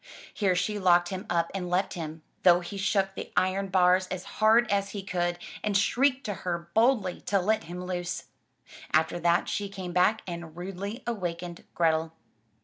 Here she locked him up and left him, though he shook the iron bars as hard as he could, and shrieked to her boldly to let him loose. After that she came back and rudely awakened Grethel.